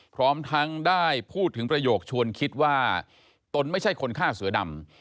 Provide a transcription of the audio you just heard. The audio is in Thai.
พร้อมทั้งได้พูดถึงประโยคชวนคิดว่าตนไม่ใช่คนฆ่าเสือดำ